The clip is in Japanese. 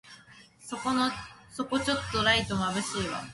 そこちょっとライトまぶしいわ